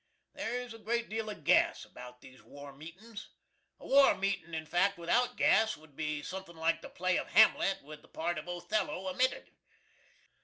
There is a great deal of gas about these war meetin's. A war meetin', in fact, without gas, would be suthin' like the play of HAMLET with the part of OTHELLO omitted.